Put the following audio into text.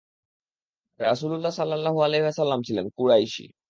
রাসূল সাল্লাল্লাহু আলাইহি ওয়াসাল্লাম ছিলেন কুরাইশী।